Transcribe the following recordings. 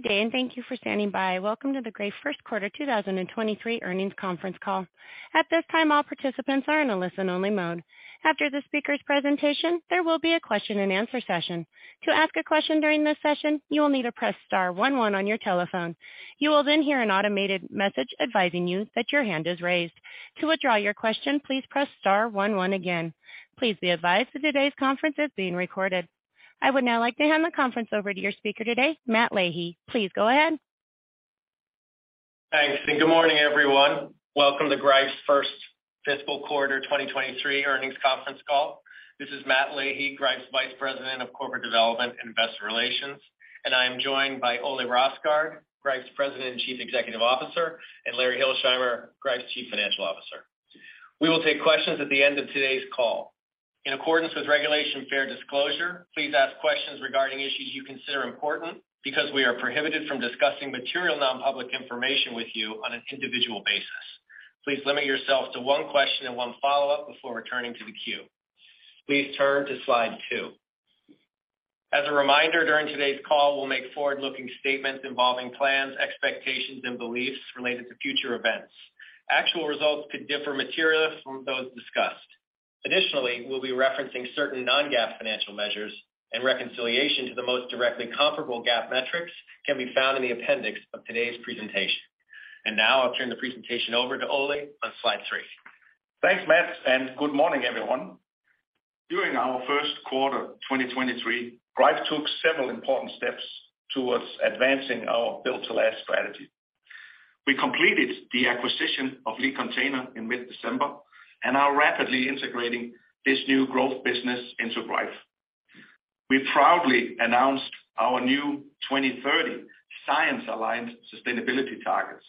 Good day. Thank you for standing by. Welcome to the Greif First Quarter 2023 Earnings Conference Call. At this time, all participants are in a listen-only mode. After the speaker's presentation, there will be a question-and-answer session. To ask a question during this session, you will need to press star one one on your telephone. You will hear an automated message advising you that your hand is raised. To withdraw your question, please press star one one again. Please be advised that today's conference is being recorded. I would now like to hand the conference over to your speaker today, Matt Leahy. Please go ahead. Thanks, good morning, everyone. Welcome to Greif's First Fiscal Quarter 2023 Earnings Conference Call. This is Matt Leahy, Greif's Vice President of Corporate Development and Investor Relations, and I am joined by Ole Rosgaard, Greif's President and Chief Executive Officer, and Larry Hilsheimer, Greif's Chief Financial Officer. We will take questions at the end of today's call. In accordance with Regulation Fair Disclosure, please ask questions regarding issues you consider important because we are prohibited from discussing material non-public information with you on an individual basis. Please limit yourself to one question and one follow-up before returning to the queue. Please turn to slide two. As a reminder, during today's call, we'll make forward-looking statements involving plans, expectations, and beliefs related to future events. Actual results could differ materially from those discussed. Additionally, we'll be referencing certain non-GAAP financial measures and reconciliation to the most directly comparable GAAP metrics can be found in the appendix of today's presentation. Now I'll turn the presentation over to Ole on slide three. Thanks, Matt. Good morning, everyone. During our first quarter 2023, Greif took several important steps towards advancing our Build to Last strategy. We completed the acquisition of Lee Container in mid-December and are rapidly integrating this new growth business into Greif. We proudly announced our new 2030 science-aligned sustainability targets,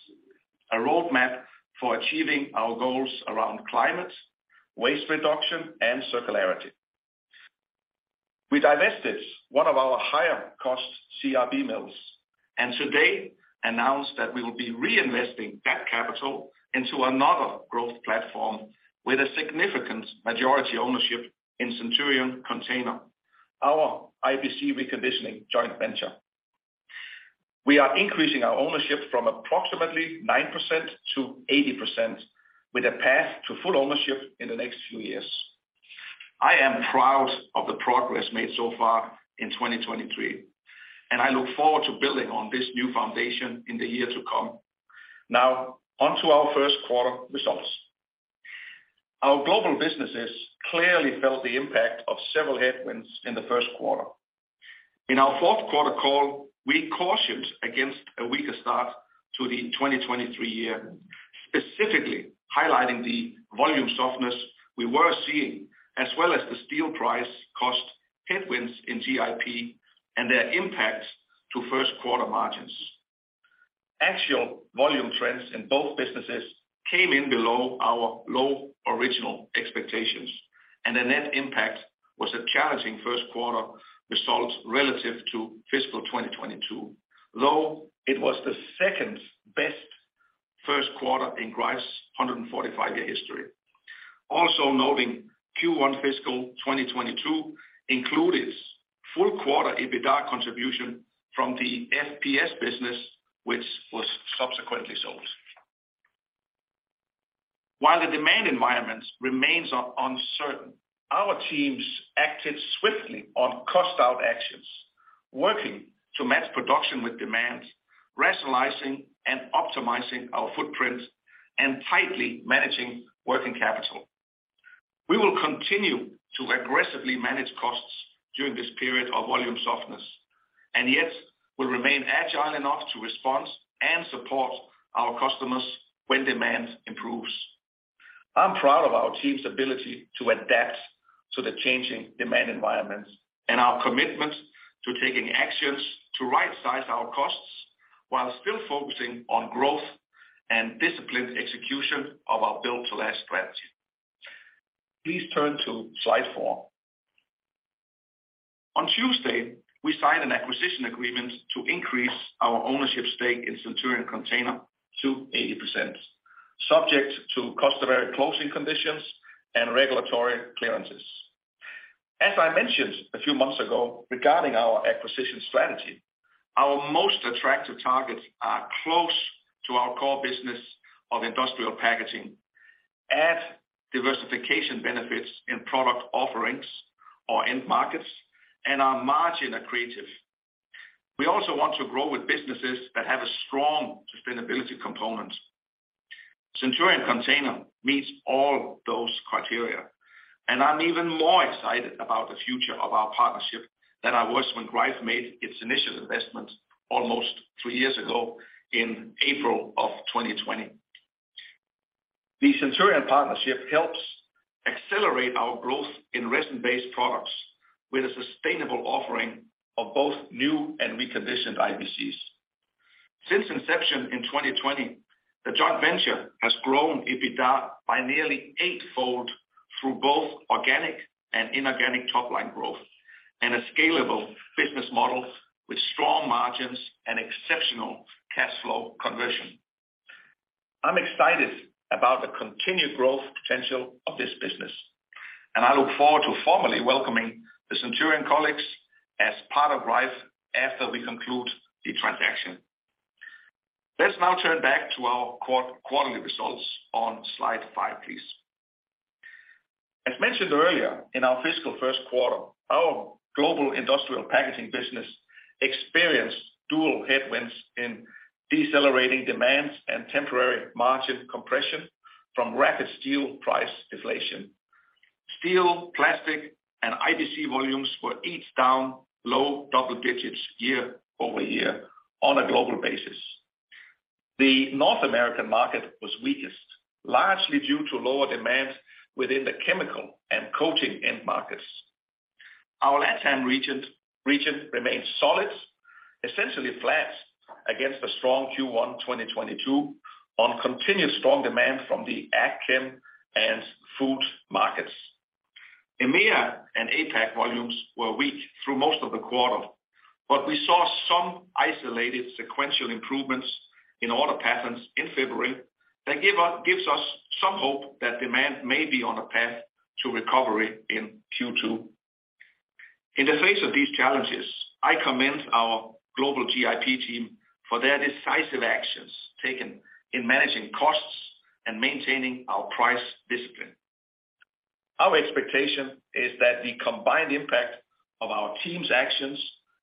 a roadmap for achieving our goals around climate, waste reduction, and circularity. We divested one of our higher cost CRB mills and today announced that we will be reinvesting that capital into another growth platform with a significant majority ownership in Centurion Container, our IBC reconditioning joint venture. We are increasing our ownership from approximately 9% to 80% with a path to full ownership in the next few years. I am proud of the progress made so far in 2023, and I look forward to building on this new foundation in the year to come. Our first quarter results. Our global businesses clearly felt the impact of several headwinds in the first quarter. In our fourth quarter call, we cautioned against a weaker start to the 2023 year, specifically highlighting the volume softness we were seeing, as well as the steel price cost headwinds in GIP and their impact to first quarter margins. Actual volume trends in both businesses came in below our low original expectations, the net impact was a challenging first quarter results relative to fiscal 2022, though it was the second-best first quarter in Greif's 145-year history. Also noting Q1 fiscal 2022 included full quarter EBITDA contribution from the FPS business, which was subsequently sold. While the demand environment remains uncertain, our teams acted swiftly on cost out actions, working to match production with demand, rationalizing and optimizing our footprint, and tightly managing working capital. We will continue to aggressively manage costs during this period of volume softness, and yet will remain agile enough to respond and support our customers when demand improves. I'm proud of our team's ability to adapt to the changing demand environments and our commitment to taking actions to rightsize our costs while still focusing on growth and disciplined execution of our Build to Last strategy. Please turn to slide four. On Tuesday, we signed an acquisition agreement to increase our ownership stake in Centurion Container to 80%, subject to customary closing conditions and regulatory clearances. As I mentioned a few months ago regarding our acquisition strategy, our most attractive targets are close to our core business of industrial packaging, add diversification benefits in product offerings or end markets, and are margin accretive. We also want to grow with businesses that have a strong sustainability component. Centurion Container meets all those criteria, and I'm even more excited about the future of our partnership than I was when Greif made its initial investment almost three years ago in April of 2020. The Centurion partnership helps accelerate our growth in resin-based products with a sustainable offering of both new and reconditioned IBCs. Since inception in 2020, the joint venture has grown EBITDA by nearly eightfold through both organic and inorganic top-line growth and a scalable business model with strong margins and exceptional cash flow conversion. I'm excited about the continued growth potential of this business, and I look forward to formally welcoming the Centurion colleagues as part of Greif after we conclude the transaction. Let's now turn back to our quarterly results on slide five, please. As mentioned earlier, in our fiscal first quarter, our Global Industrial Packaging business experienced dual headwinds in decelerating demands and temporary margin compression from rapid steel price deflation. Steel, plastic, and IBC volumes were each down low double digits year-over-year on a global basis. The North American market was weakest, largely due to lower demand within the chemical and coating end markets. Our LATAM region remains solid, essentially flat against a strong Q1 2022 on continued strong demand from the agchem and food markets. EMEA and APAC volumes were weak through most of the quarter, we saw some isolated sequential improvements in order patterns in February that gives us some hope that demand may be on a path to recovery in Q2. In the face of these challenges, I commend our global GIP team for their decisive actions taken in managing costs and maintaining our price discipline. Our expectation is that the combined impact of our team's actions,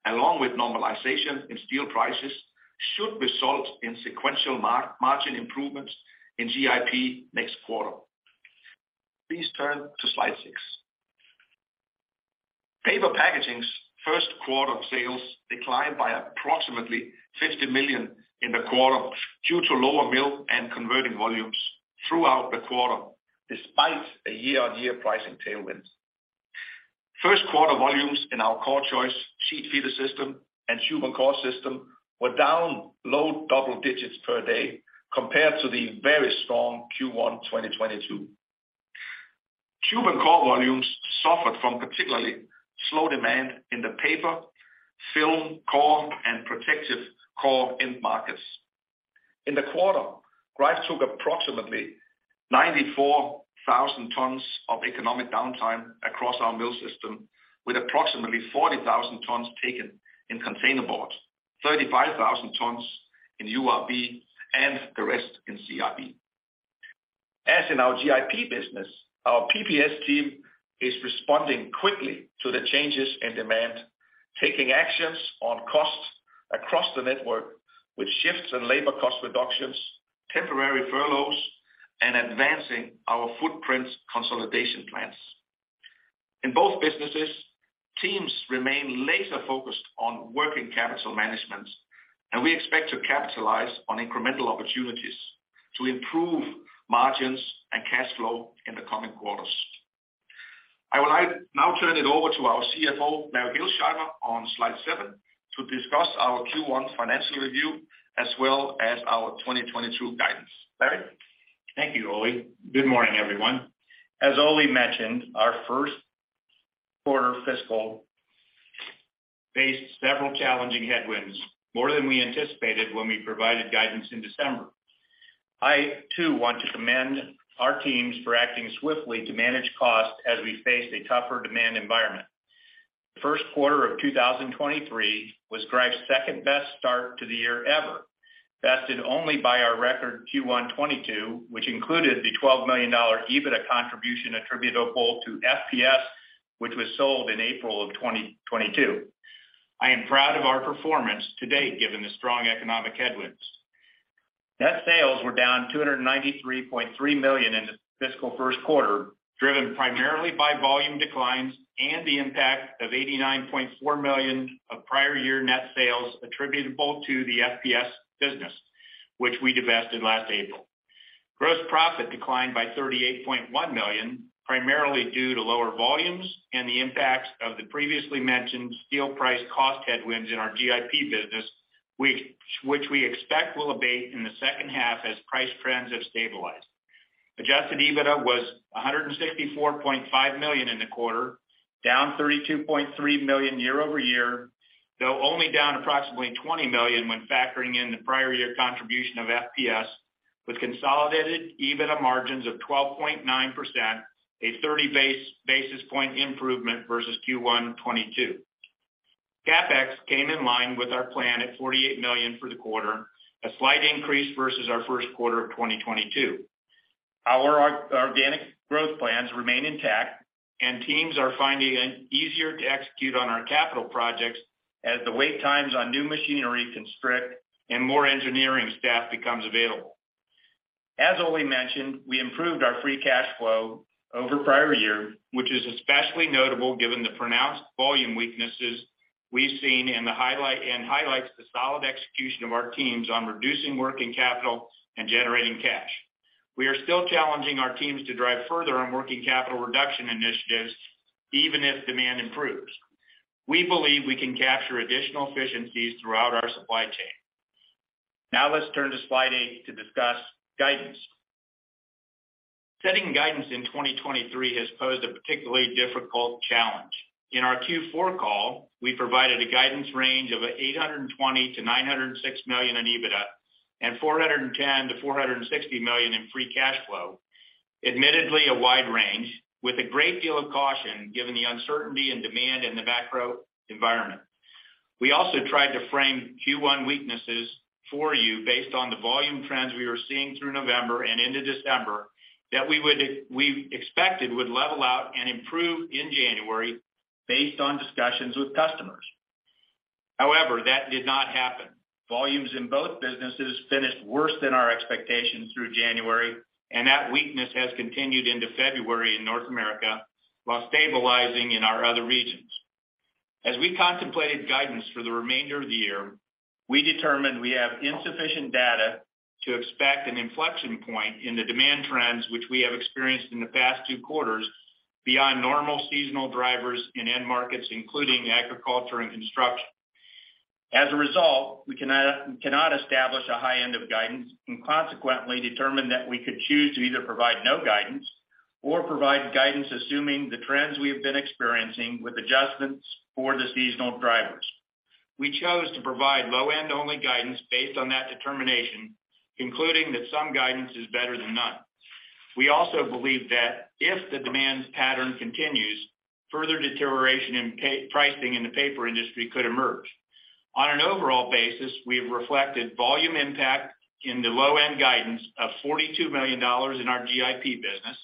along with normalization in steel prices, should result in sequential margin improvements in GIP next quarter. Please turn to slide six. Paper packaging's first quarter sales declined by approximately $50 million in the quarter due to lower mill and converting volumes throughout the quarter, despite a year-on-year pricing tailwind. First quarter volumes in our CorrChoice sheet feeder system and tube and core system were down low double digits per day compared to the very strong Q1 2022. Tube and core volumes suffered from particularly slow demand in the paper, film, core, and protective core end markets. In the quarter, Greif took approximately 94,000 tons of economic downtime across our mill system with approximately 40,000 tons taken in containerboard, 35,000 tons in URB, and the rest in CIB. As in our GIP business, our PPS team is responding quickly to the changes in demand, taking actions on costs across the network with shifts in labor cost reductions, temporary furloughs, and advancing our footprint consolidation plans. In both businesses, teams remain laser-focused on working capital management, and we expect to capitalize on incremental opportunities to improve margins and cash flow in the coming quarters. I would like to now turn it over to our CFO, Larry Hilsheimer, on slide seven, to discuss our Q1 financial review as well as our 2022 guidance. Larry? Thank you, Ole. Good morning, everyone. As Ole mentioned, our first quarter fiscal faced several challenging headwinds, more than we anticipated when we provided guidance in December. I, too, want to commend our teams for acting swiftly to manage costs as we face a tougher demand environment. First quarter of 2023 was Greif's second-best start to the year ever, bested only by our record Q1 2022, which included the $12 million EBITDA contribution attributable to FPS, which was sold in April of 2022. I am proud of our performance to date, given the strong economic headwinds. Net sales were down $293.3 million in the fiscal first quarter, driven primarily by volume declines and the impact of $89.4 million of prior year net sales attributable to the FPS business, which we divested last April. Gross profit declined by $38.1 million, primarily due to lower volumes and the impacts of the previously mentioned steel price cost headwinds in our GIP business, which we expect will abate in the second half as price trends have stabilized. Adjusted EBITDA was $164.5 million in the quarter, down $32.3 million year-over-year, though only down approximately $20 million when factoring in the prior year contribution of FPS, with consolidated EBITDA margins of 12.9%, a 30 basis point improvement versus Q1 2022. CapEx came in line with our plan at $48 million for the quarter, a slight increase versus our first quarter of 2022. Our organic growth plans remain intact. Teams are finding it easier to execute on our capital projects as the wait times on new machinery constrict and more engineering staff becomes available. As Ole mentioned, we improved our free cash flow over prior year, which is especially notable given the pronounced volume weaknesses we've seen. Highlights the solid execution of our teams on reducing working capital and generating cash. We are still challenging our teams to drive further on working capital reduction initiatives, even if demand improves. We believe we can capture additional efficiencies throughout our supply chain. Let's turn to slide eight to discuss guidance. Setting guidance in 2023 has posed a particularly difficult challenge. In our Q4 call, we provided a guidance range of $820 million-$906 million in EBITDA and $410 million-$460 million in free cash flow. Admittedly, a wide range with a great deal of caution given the uncertainty and demand in the macro environment. We also tried to frame Q1 weaknesses for you based on the volume trends we were seeing through November and into December that we expected would level out and improve in January based on discussions with customers. That did not happen. Volumes in both businesses finished worse than our expectations through January, and that weakness has continued into February in North America while stabilizing in our other regions. As we contemplated guidance for the remainder of the year, we determined we have insufficient data to expect an inflection point in the demand trends which we have experienced in the past two quarters beyond normal seasonal drivers in end markets, including agriculture and construction. As a result, we cannot establish a high end of guidance and consequently determined that we could choose to either provide no guidance or provide guidance assuming the trends we have been experiencing with adjustments for the seasonal drivers. We chose to provide low-end only guidance based on that determination, concluding that some guidance is better than none. We also believe that if the demands pattern continues, further deterioration in pricing in the paper industry could emerge. On an overall basis, we've reflected volume impact in the low-end guidance of $42 million in our GIP business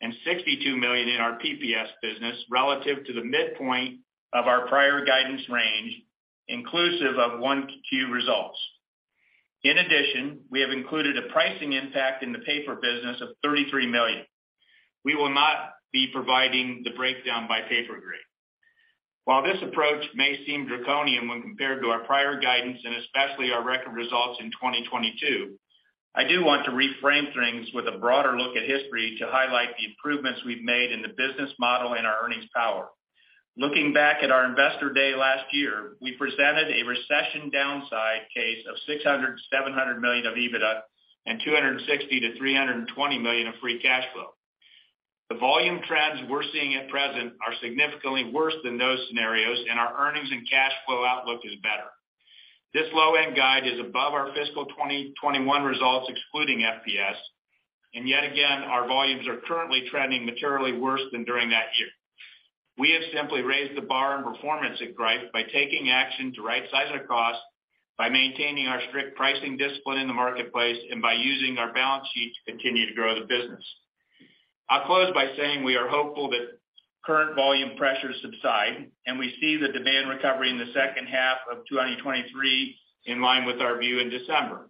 and $62 million in our PPS business relative to the midpoint of our prior guidance range, inclusive of 1Q results. In addition, we have included a pricing impact in the paper business of $33 million. We will not be providing the breakdown by paper grade. While this approach may seem draconian when compared to our prior guidance and especially our record results in 2022, I do want to reframe things with a broader look at history to highlight the improvements we've made in the business model and our earnings power. Looking back at our investor day last year, we presented a recession downside case of $600 million-$700 million of EBITDA and $260 million-$320 million of free cash flow. The volume trends we're seeing at present are significantly worse than those scenarios, and our earnings and cash flow outlook is better. This low end guide is above our fiscal 2021 results excluding FPS, and yet again, our volumes are currently trending materially worse than during that year. We have simply raised the bar on performance at Greif by taking action to right-size our cost by maintaining our strict pricing discipline in the marketplace and by using our balance sheet to continue to grow the business. I'll close by saying we are hopeful that current volume pressures subside, and we see the demand recovery in the second half of 2023 in line with our view in December.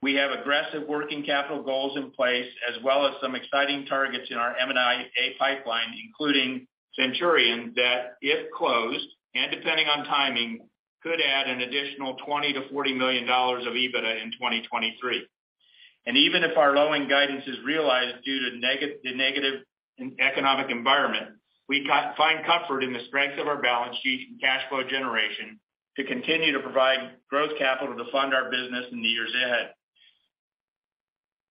We have aggressive working capital goals in place as well as some exciting targets in our M&A pipeline, including Centurion, that, if closed and depending on timing, could add an additional $20 million-$40 million of EBITDA in 2023. Even if our low-end guidance is realized due to negative economic environment, we find comfort in the strength of our balance sheet and cash flow generation to continue to provide growth capital to fund our business in the years ahead.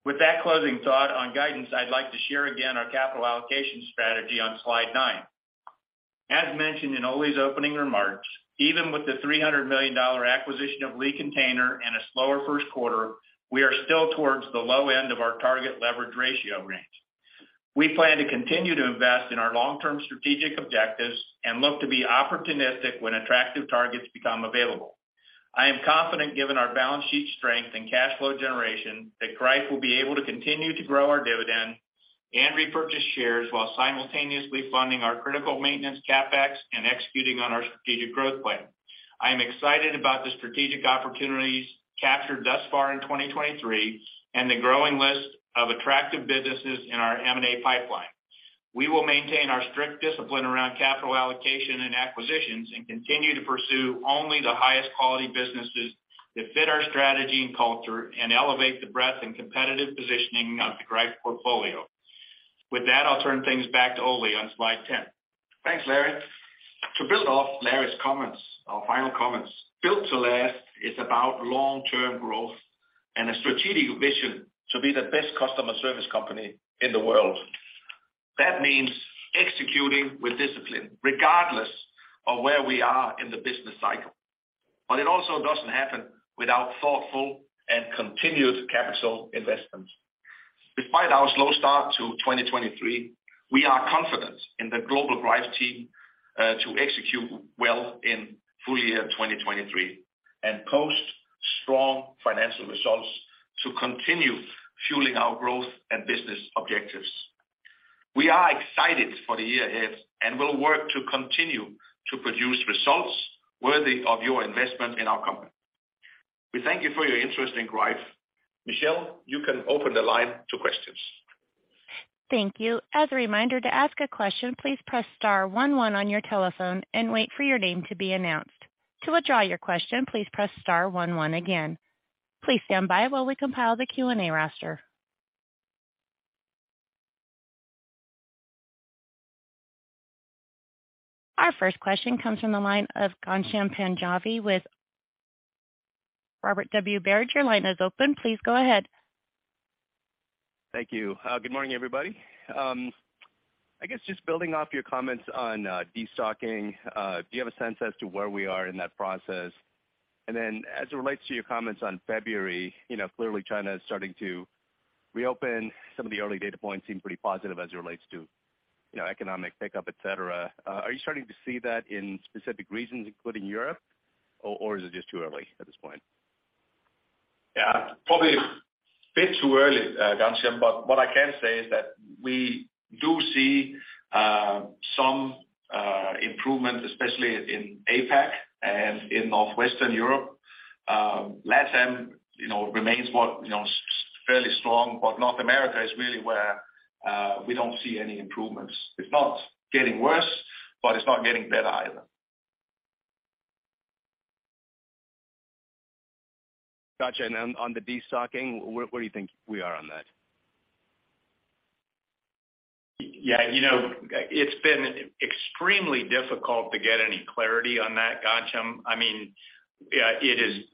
With that closing thought on guidance, I'd like to share again our capital allocation strategy on slide nine. As mentioned in Ole's opening remarks, even with the $300 million acquisition of Lee Container and a slower first quarter, we are still towards the low end of our target leverage ratio range. We plan to continue to invest in our long-term strategic objectives and look to be opportunistic when attractive targets become available. I am confident, given our balance sheet strength and cash flow generation, that Greif will be able to continue to grow our dividend and repurchase shares while simultaneously funding our critical maintenance CapEx and executing on our strategic growth plan. I am excited about the strategic opportunities captured thus far in 2023 and the growing list of attractive businesses in our M&A pipeline. We will maintain our strict discipline around capital allocation and acquisitions and continue to pursue only the highest quality businesses that fit our strategy and culture and elevate the breadth and competitive positioning of the Greif portfolio. With that, I'll turn things back to Ole on slide 10. Thanks, Larry. To build off Larry's comments or final comments, Build to Last is about long-term growth and a strategic vision to be the best customer service company in the world. That means executing with discipline regardless of where we are in the business cycle. It also doesn't happen without thoughtful and continued capital investments. Despite our slow start to 2023, we are confident in the global Greif team to execute well in full year 2023 and post strong financial results to continue fueling our growth and business objectives. We are excited for the year ahead and will work to continue to produce results worthy of your investment in our company. We thank you for your interest in Greif. Michelle, you can open the line to questions. Thank you. As a reminder to ask a question, please press star one one on your telephone and wait for your name to be announced. To withdraw your question, please press star one one again. Please stand by while we compile the Q&A roster. Our first question comes from the line of Ghansham Panjabi with... Robert W. Baird, your line is open. Please go ahead. Thank you. Good morning, everybody. I guess just building off your comments on destocking, do you have a sense as to where we are in that process? As it relates to your comments on February, you know, clearly China is starting to reopen. Some of the early data points seem pretty positive as it relates to, you know, economic pickup, et cetera. Are you starting to see that in specific regions, including Europe, or is it just too early at this point? Probably a bit too early, Ghansham, but what I can say is that we do see some improvement, especially in APAC and in Northwestern Europe. LATAM, you know, remains what, you know, fairly strong, but North America is really where we don't see any improvements. It's not getting worse, but it's not getting better either. Gotcha. Then on the destocking, where do you think we are on that? Yeah. You know, it's been extremely difficult to get any clarity on that, Ghansham. I mean, it is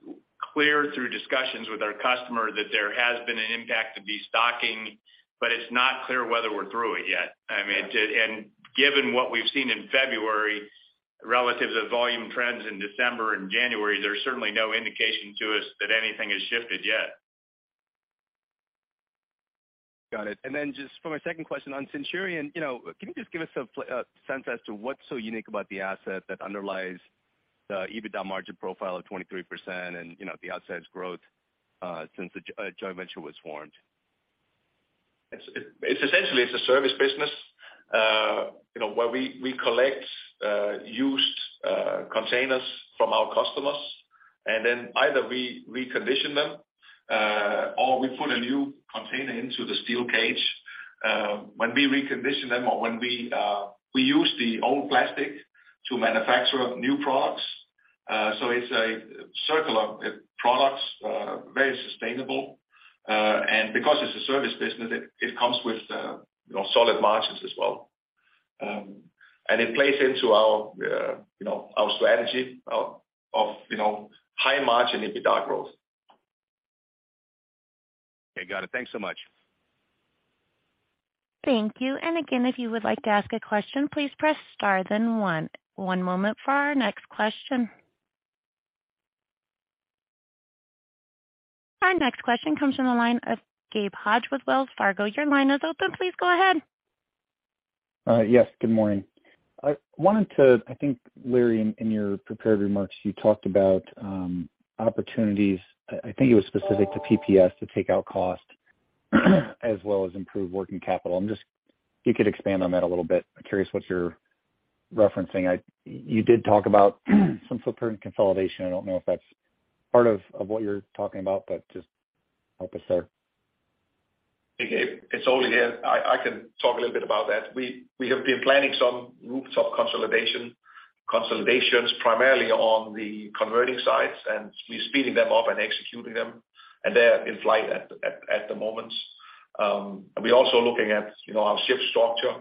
clear through discussions with our customer that there has been an impact to destocking, but it's not clear whether we're through it yet. I mean, Given what we've seen in February relative to volume trends in December and January, there's certainly no indication to us that anything has shifted yet. Got it. Then just for my second question on Centurion, you know, can you just give us a sense as to what's so unique about the asset that underlies the EBITDA margin profile of 23% and, you know, the outsized growth since the joint venture was formed? It's essentially it's a service business, you know, where we collect used containers from our customers, and then either we recondition them, or we put a new container into the steel cage. When we recondition them or when we use the old plastic to manufacture new products. It's a circle of products, very sustainable. Because it's a service business, it comes with, you know, solid margins as well. It plays into our, you know, our strategy of, you know, high margin EBITDA growth. Okay. Got it. Thanks so much. Thank you. Again, if you would like to ask a question, please press star then one. One moment for our next question. Our next question comes from the line of Gabe Hajde with Wells Fargo. Your line is open. Please go ahead. Yes, good morning. I think, Larry, in your prepared remarks, you talked about opportunities, I think it was specific to PPS to take out cost as well as improve working capital. If you could expand on that a little bit. I'm curious what you're referencing. You did talk about some footprint consolidation. I don't know if that's part of what you're talking about, but just help us there. Hey, Gabe. It's Ole here. I can talk a little bit about that. We have been planning some rooftop consolidations primarily on the converting sites, and we're speeding them up and executing them, and they're in flight at the moment. We're also looking at, you know, our shift structure,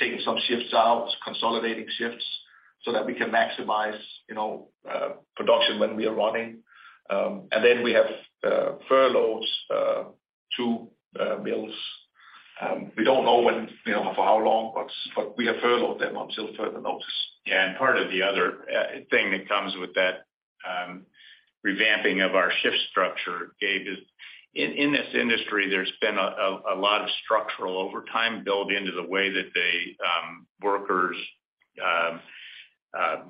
taking some shifts out, consolidating shifts so that we can maximize, you know, production when we are running. We have furloughs, two mills. We don't know when, you know, for how long, but we have furloughed them until further notice. Yeah. Part of the other thing that comes with that revamping of our shift structure, Gabe, is in this industry, there's been a lot of structural overtime built into the way that the workers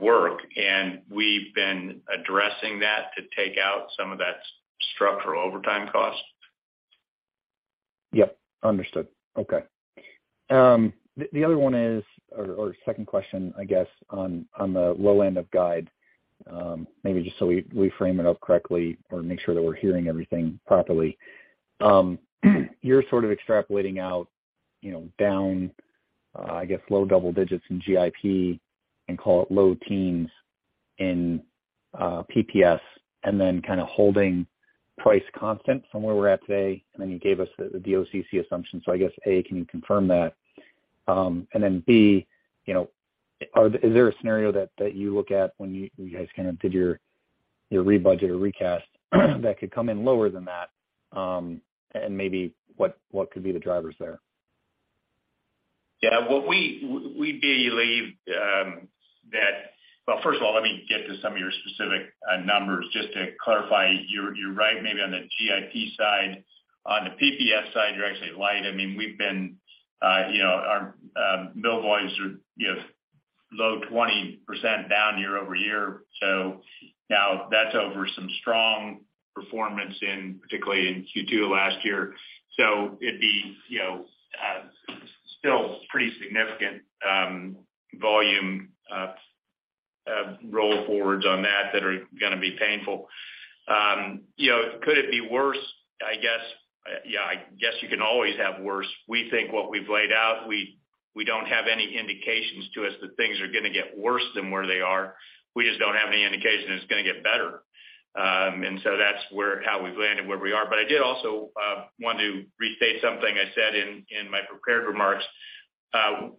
work, and we've been addressing that to take out some of that structural overtime cost. Yep, understood. Okay. The other one is or second question, I guess, on the low end of guide, maybe just so we reframe it up correctly or make sure that we're hearing everything properly. You're sort of extrapolating out, you know, down, I guess, low double digits in GIP and call it low teens in PPS and then kind of holding price constant from where we're at today. You gave us the OCC assumption. I guess, A, can you confirm that? B, you know, is there a scenario that you look at when you guys kind of did your rebudget or recast that could come in lower than that, and maybe what could be the drivers there? What we believe. Well, first of all, let me get to some of your specific numbers just to clarify. You're, you're right maybe on the GIP side. On the PPS side, you're actually light. I mean, we've been, you know, our bill volumes are, you know, low 20% down year-over-year. Now that's over some strong performance in particularly in Q2 last year. It'd be, you know, still pretty significant volume roll forwards on that that are gonna be painful. You know, could it be worse? I guess, yeah, I guess you can always have worse. We think what we've laid out, we don't have any indications to us that things are gonna get worse than where they are. We just don't have any indication it's gonna get better. That's how we've landed where we are. I did also want to restate something I said in my prepared remarks.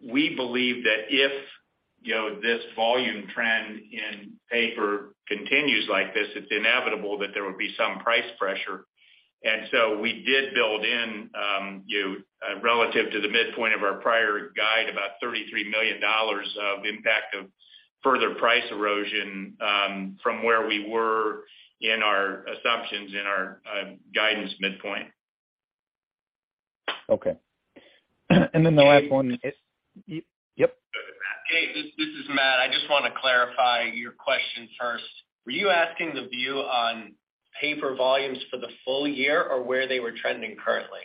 We believe that if, you know, this volume trend in paper continues like this, it's inevitable that there would be some price pressure. We did build in, you know, relative to the midpoint of our prior guide, about $33 million of impact of further price erosion, from where we were in our assumptions in our guidance midpoint. Okay. The last one is... Yep. Hey, this is Matt. I just want to clarify your question first. Were you asking the view on paper volumes for the full year or where they were trending currently?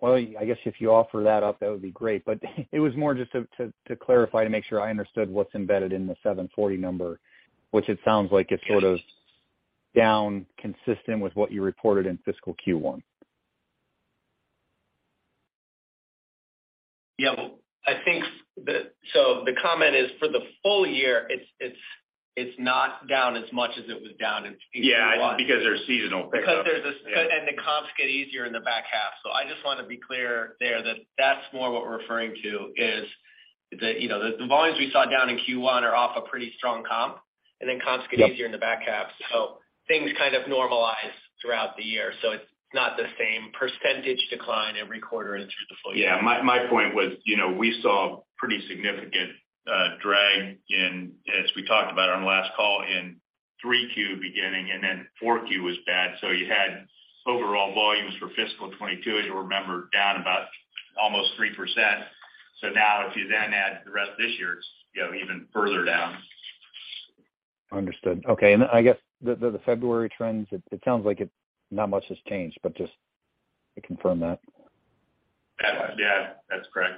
Well, I guess if you offer that up, that would be great. It was more just to clarify, to make sure I understood what's embedded in the 740 number, which it sounds like it's sort of down consistent with what you reported in fiscal Q1. Yeah. I think the comment is for the full year, it's not down as much as it was down in Q1. Yeah, because there's seasonal pickup. The comps get easier in the back half. I just want to be clear there that that's more what we're referring to is the, you know, the volumes we saw down in Q1 are off a pretty strong comp, and then comps get easier in the back half. Things kind of normalize throughout the year. It's not the same % decline every quarter through the full year. Yeah. My, my point was, you know, we saw pretty significant drag in, as we talked about on last call, in 3Q beginning. Four Q was bad. You had overall volumes for fiscal 2022, as you'll remember, down about almost 3%. Now if you then add the rest of this year, it's, you know, even further down. Understood. Okay. I guess the February trends, it sounds like not much has changed, but just to confirm that. Yeah, that's correct.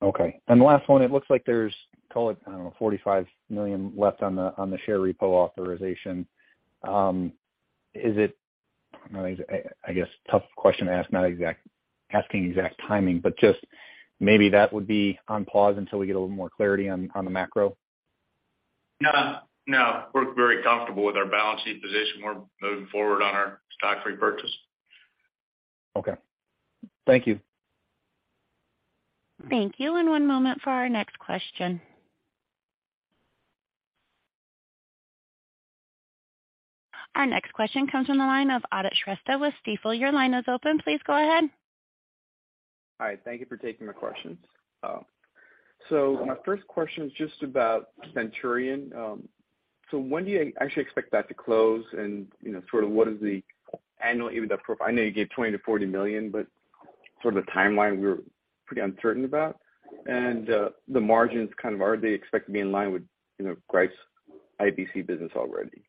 The last one, it looks like there's, call it, I don't know, $45 million left on the share repo authorization. I guess, tough question to ask, not asking exact timing, but just maybe that would be on pause until we get a little more clarity on the macro? No, no, we're very comfortable with our balance sheet position. We're moving forward on our stock repurchase. Okay. Thank you. Thank you. 1 moment for our next question. Our next question comes from the line of Aadit Shrestha with Stifel. Your line is open. Please go ahead. All right. Thank you for taking my questions. My first question is just about Centurion. When do you actually expect that to close? You know, sort of what is the annual EBITDA profile? I know you gave $20 million-$40 million, but sort of the timeline we're pretty uncertain about. The margins kind of are they expected to be in line with, you know, Greif's IBC business already?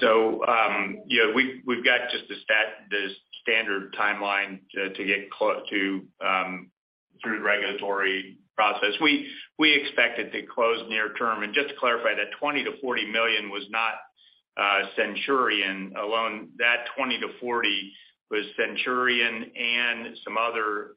You know, we've got just this standard timeline to get through the regulatory process. We expect it to close near term. Just to clarify, that $20 million-$40 million was not Centurion alone. That $20 million-$40 million was Centurion and some other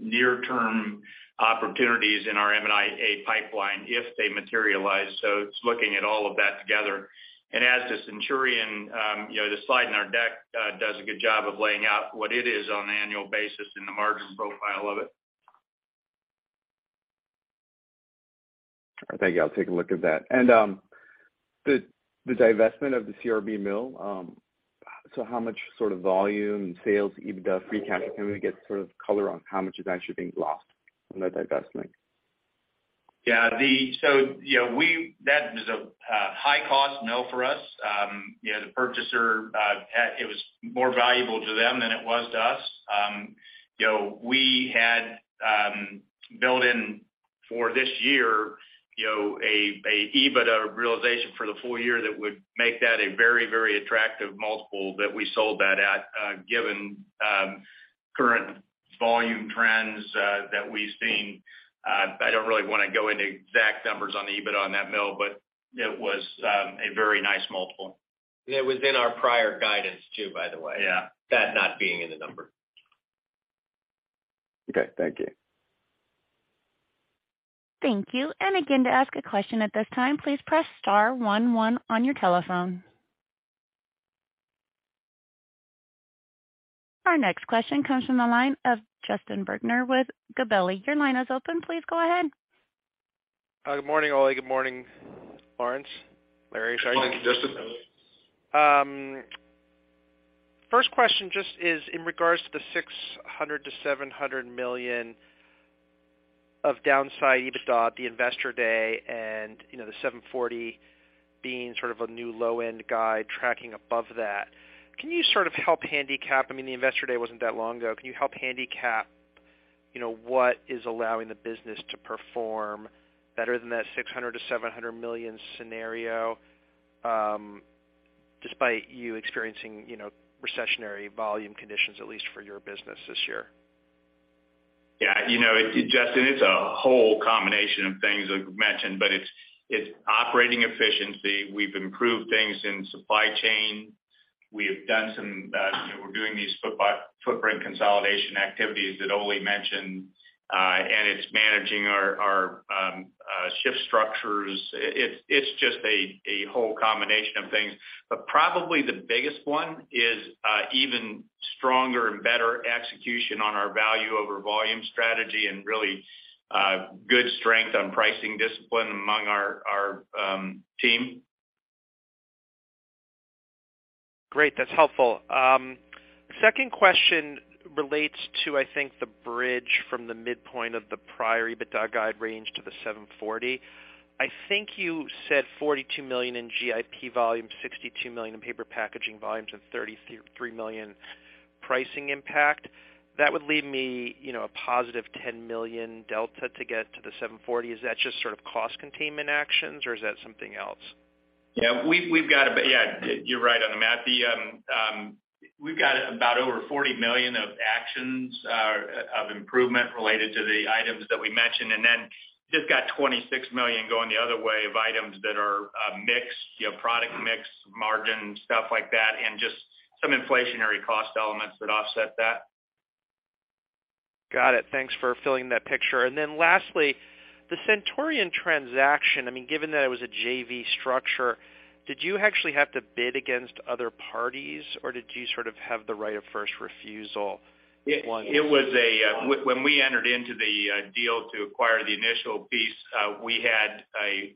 near-term opportunities in our M&A pipeline if they materialize. It's looking at all of that together. As the Centurion, you know, the slide in our deck does a good job of laying out what it is on an annual basis and the margin profile of it. All right. Thank you. I'll take a look at that. The divestment of the CRB mill, how much sort of volume, sales, EBITDA, free cash, can we get sort of color on how much is actually being lost from that divestment? Yeah. You know, That is a high cost mill for us. You know, It was more valuable to them than it was to us. You know, we had built in for this year, you know, a EBITDA realization for the full year that would make that a very, very attractive multiple that we sold that at, given current volume trends that we've seen. I don't really wanna go into exact numbers on the EBITDA on that mill, but it was a very nice multiple. It was in our prior guidance too, by the way. Yeah. That not being in the number. Okay. Thank you. Thank you. Again, to ask a question at this time, please press star one one on your telephone. Our next question comes from the line of Justin Bergner with Gabelli. Your line is open. Please go ahead. Good morning, Ole. Good morning, Larry, sorry. Morning, Justin. First question just is in regards to the $600 million-$700 million of downside EBITDA at the Investor Day and, you know, the $740 million being sort of a new low-end guide tracking above that. Can you sort of help handicap, I mean, the Investor Day wasn't that long ago. Can you help handicap, you know, what is allowing the business to perform better than that $600 million-$700 million scenario, despite you experiencing, you know, recessionary volume conditions, at least for your business this year? Yeah. You know, Justin, it's a whole combination of things I've mentioned, but it's operating efficiency. We've improved things in supply chain. We have done some, you know, we're doing these footprint consolidation activities that Ole mentioned, and it's managing our shift structures. It's just a whole combination of things. Probably the biggest one is even stronger and better execution on our value over volume strategy, and really good strength on pricing discipline among our team. Great, that's helpful. Second question relates to, I think, the bridge from the midpoint of the prior EBITDA guide range to the $740 million. I think you said $42 million in GIP volume, $62 million in paper packaging volumes, and $33 million pricing impact. That would leave me, you know, a positive $10 million delta to get to the $740 million. Is that just sort of cost containment actions or is that something else? Yeah. We've got a b-- Yeah, you're right on the math. The, we've got about over $40 million of actions of improvement related to the items that we mentioned. Then just got $26 million going the other way of items that are mixed, you know, product mix, margin, stuff like that, and just some inflationary cost elements that offset that. Got it. Thanks for filling that picture. Lastly, the Centurion transaction. I mean, given that it was a JV structure, did you actually have to bid against other parties, or did you sort of the right of first refusal? It was a when we entered into the deal to acquire the initial piece, we had a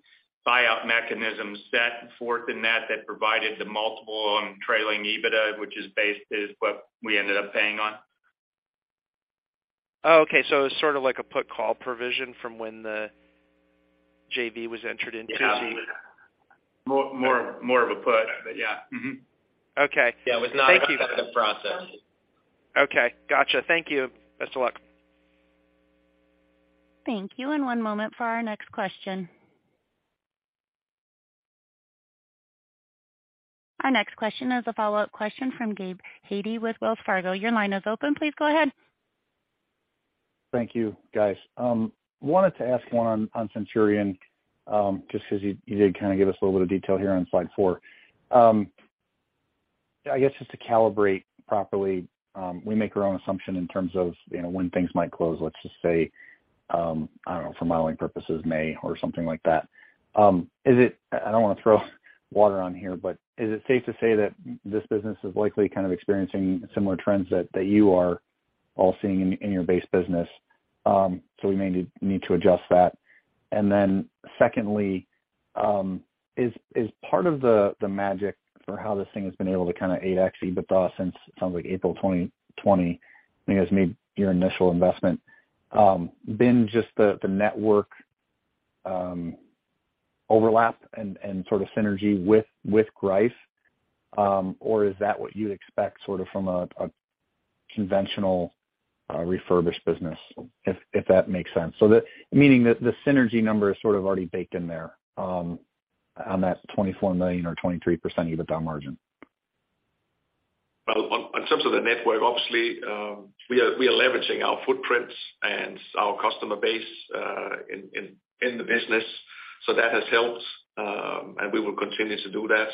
buyout mechanism set forth in that that provided the multiple on trailing EBITDA, which is what we ended up paying on. Oh, okay. It was sort of like a put call provision from when the JV was entered into. Yeah. More of a put, but yeah. Mm-hmm. Okay. Thank you. Yeah, it was not an upset the process. Okay. Gotcha. Thank you. Best of luck. Thank you. One moment for our next question. Our next question is a follow-up question from Gabe Hajde with Wells Fargo. Your line is open. Please go ahead. Thank you, guys. Wanted to ask one on Centurion, just 'cause you did kind of give us a little bit of detail here on slide four. I guess just to calibrate properly, we make our own assumption in terms of, you know, when things might close. Let's just say, I don't know, for modeling purposes, May or something like that. I don't wanna throw water on here, but is it safe to say that this business is likely kind of experiencing similar trends that you are all seeing in your base business? We may need to adjust that. Secondly, is part of the magic for how this thing has been able to kinda 8x EBITDA since it sounds like April 2020 when you guys made your initial investment, been just the network overlap and sort of synergy with Greif? Or is that what you'd expect sort of from a conventional refurbished business, if that makes sense? So meaning that the synergy number is sort of already baked in there, on that $24 million or 23% EBITDA margin. On terms of the network, obviously, we are leveraging our footprints and our customer base, in the business, so that has helped. We will continue to do that.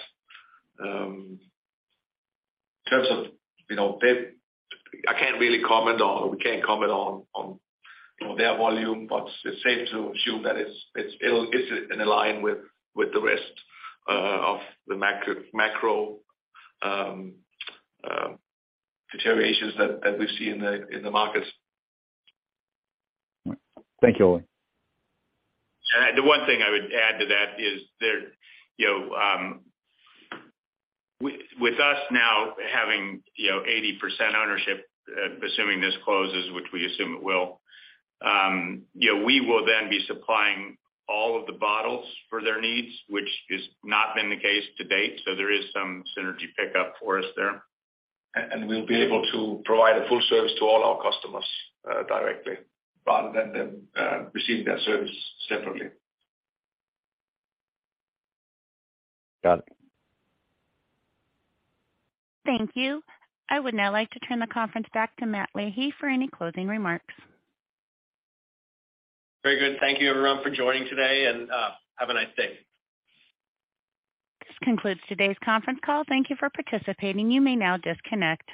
In terms of, you know, pay, I can't really comment. We can't comment on, you know, their volume. It's safe to assume that it's in align with the rest of the macro deteriorations that we see in the markets. Thank you, Ole. The one thing I would add to that is there, you know, with us now having, you know, 80% ownership, assuming this closes, which we assume it will, you know, we will then be supplying all of the bottles for their needs, which has not been the case to date. There is some synergy pickup for us there. We'll be able to provide a full service to all our customers, directly rather than them receiving that service separately. Got it. Thank you. I would now like to turn the conference back to Matt Leahy for any closing remarks. Very good. Thank you everyone for joining today, and have a nice day. This concludes today's conference call. Thank you for participating. You may now disconnect.